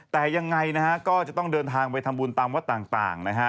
แต่ยังไงนะฮะก็จะต้องเดินทางไปทำบุญตามวัดต่างนะฮะ